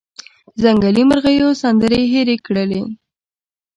ځنګلي مرغېو سندرې هیرې کړلې